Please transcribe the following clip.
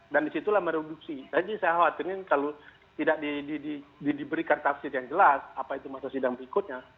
dan disitulah mereduksi jadi saya khawatirin kalau tidak diberikan tafsir yang jelas apa itu maksud sidang berikutnya